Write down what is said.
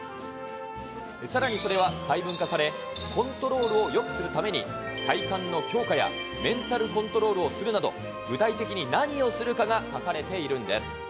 さらにそれは細分化され、コントロールをよくするために体幹の強化やメンタルコントロールをするなど、具体的に何をするかが書かれているんです。